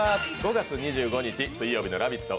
５月２５日水曜日の「ラヴィット！」